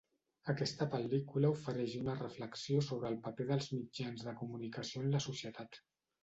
Aquesta pel·lícula ofereix una reflexió sobre el paper dels mitjans de comunicació en la societat.